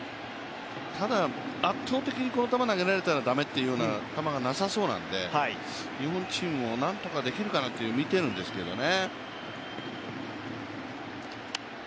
ただ、圧倒的にこの球投げられたら駄目という球がなさそうなんで日本チームも何とかできるかなとみているんですけどね。